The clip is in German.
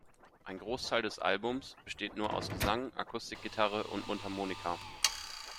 Ein Großteil des Albums besteht nur aus Gesang, Akustikgitarre und Mundharmonika.